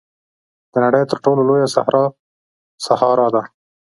د نړۍ تر ټولو لویه صحرا سهارا ده.